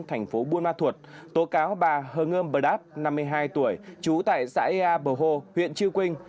thành phố buôn ma thuột tố cáo bà hương ươm bờ đáp năm mươi hai tuổi trú tại xã ea bờ hô huyện chư quynh